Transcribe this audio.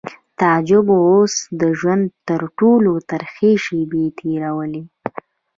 تعجب اوس د ژوند تر ټولو ترخې شېبې تېرولې